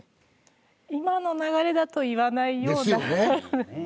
今の流れだと言わないような。